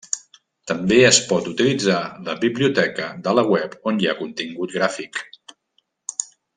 També es pot utilitzar la biblioteca de la web on hi ha contingut gràfic.